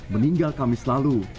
meninggal kamis lalu